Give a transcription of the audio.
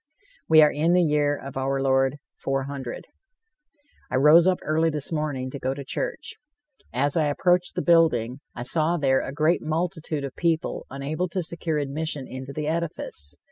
We are in the year of our Lord, 400: I rose up early this morning to go to church. As I approached the building, I saw there a great multitude of people unable to secure admission into the edifice.